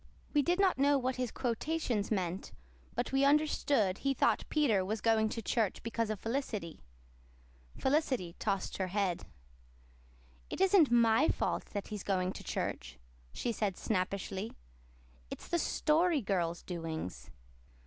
We did not know what his quotations meant, but we understood he thought Peter was going to church because of Felicity. Felicity tossed her head. "It isn't my fault that he's going to church," she said snappishly. "It's the Story Girl's doings."